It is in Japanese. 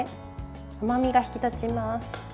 うまみが引き立ちます。